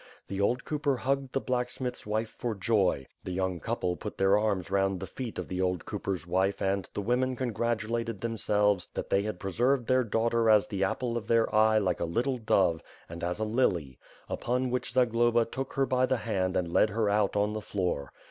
The old cooper hugged the blacksmith's wife for joy. The young couple put their arms WITH FIRE AND SWORD, ^yg round the feet of the the old cooper's wife and the women congratulated themselves that they had preserved their daughter as the apple of the"r eye like a little dove and as a lily, upon which Zagloba took her by the hand and led her out onthetioor.